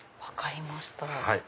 分かりました。